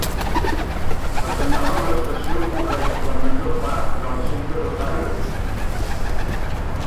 La senyal de l'estació cobreix la major part del centre d'Ohio.